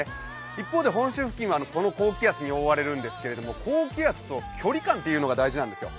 一方で本州付近はこの高気圧に覆われるんですけれども、高気圧と距離感っていうのが大事なんですよ。